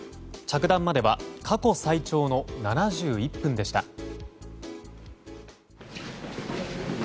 着弾までは過去最長の７１分でした。